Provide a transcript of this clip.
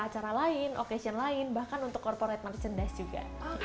acara lain occasion lain bahkan untuk corporate merchandise juga